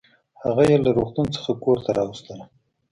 هغه يې له روغتون څخه کورته راوستله